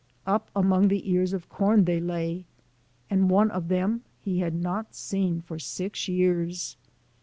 61 Up among the ears of corn they lay, and one of them he had not seen for six years.